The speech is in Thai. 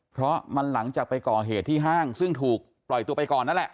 เพราะมันหลังจากไปก่อเหตุที่ห้างซึ่งถูกปล่อยตัวไปก่อนนั่นแหละ